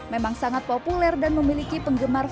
memang sangat populer dan memiliki penggemar